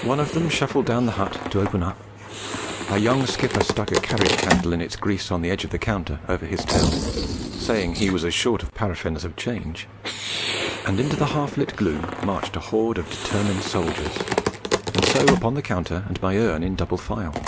One of them shuffled down the hut to open up; our young skipper stuck a carriage candle in its grease on the edge of the counter, over his till, saying he was as short of paraffin as of change; and into the half lit gloom marched a horde of determined soldiers, and so upon the counter and my urn in double file.